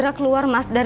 kamu lihat sini